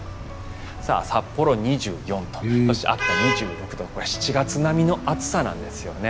札幌、２４度秋田、２６度これは７月並みの暑さなんですよね。